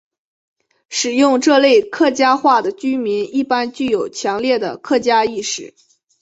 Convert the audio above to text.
使用这类客家话的居民一般具有强烈的客家意识。